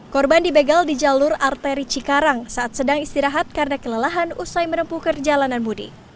korban di begal di jalur arteri cikarang saat sedang istirahat karena kelelahan usai menempuh ke jalanan mudik